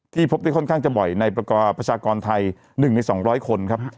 พบได้ค่อนข้างจะบ่อยในประกอบประชากรไทย๑ใน๒๐๐คนครับ